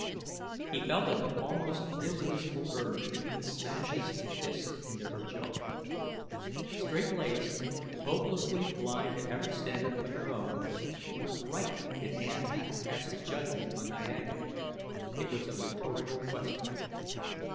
He felt an almost irresistible urge to smash his fist into her jaw. Straight laced, hopelessly blind to every standard but her own what right did Ann have to pass judgment on Niaga? It was a rhetorical question.